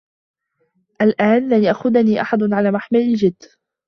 الآن، لن يأخذني أحد على محمل الجدّ.